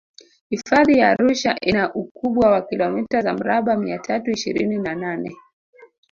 hifadhi ya arusha ina ukubwa wa kilomita za mraba mia tatu ishirini na nane